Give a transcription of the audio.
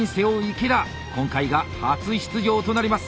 今回が初出場となります。